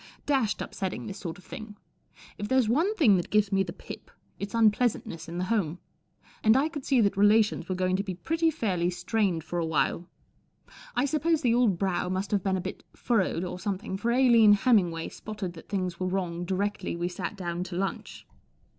Dashed upsetting, this sort of thing. If there's one thing that gives me the pip, it's unpleasantness in the home ; and I could see that relations were going to be pretty fairly strained lor a while. I suppose the old brow must have been a bit furrowed or something, for Aline Hemmingway spotted that things were wrong directly we sat down to lunch.